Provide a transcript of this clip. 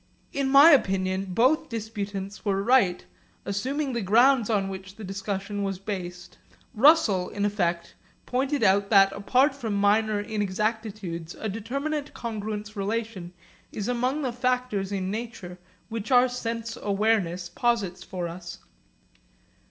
In my opinion both disputants were right, assuming the grounds on which the discussion was based. Russell in effect pointed out that apart from minor inexactitudes a determinate congruence relation is among the factors in nature which our sense awareness posits for us.